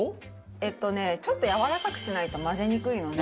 えっとねちょっとやわらかくしないと混ぜにくいので。